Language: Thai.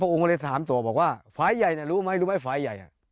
องค์ก็เลยถามตัวบอกว่าฝ่ายใหญ่น่ะรู้ไหมรู้ไหมฝ่ายใหญ่